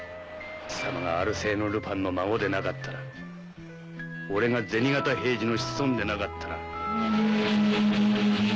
貴様がアルセーヌ・ルパンの孫でなかったら俺が銭形平次の子孫でなかったら